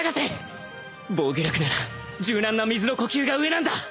防御力なら柔軟な水の呼吸が上なんだ